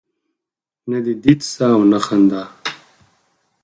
نه دي دید سته نه خندا